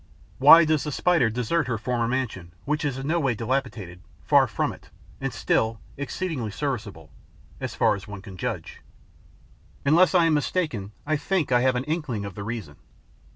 Why does the Spider desert her former mansion, which is in no way dilapidated far from it and still exceedingly serviceable, as far as one can judge? Unless I am mistaken, I think I have an inkling of the reason.